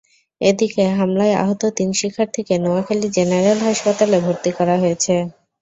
এদিকে হামলায় আহত তিন শিক্ষার্থীকে নোয়াখালী জেনারেল হাসপাতালে ভর্তি করা হয়েছে।